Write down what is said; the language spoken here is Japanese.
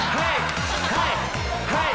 はい！